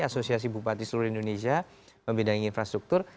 asosiasi bupati seluruh indonesia membidangi infrastruktur